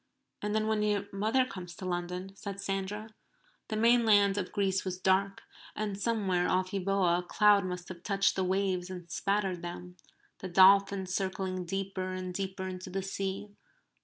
"And then when your mother comes to London ," said Sandra. The mainland of Greece was dark; and somewhere off Euboea a cloud must have touched the waves and spattered them the dolphins circling deeper and deeper into the sea.